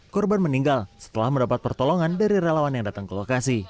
korban meninggal setelah mendapat pertolongan dari relawan yang datang ke lokasi